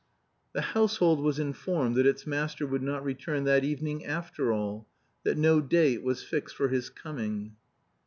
The household was informed that its master would not return that evening after all; that no date was fixed for his coming.